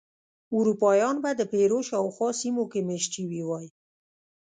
اروپایان به د پیرو شاوخوا سیمو کې مېشت شوي وای.